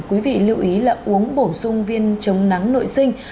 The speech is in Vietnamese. quý vị lưu ý là uống bổ sung viên chống nắng nội sinh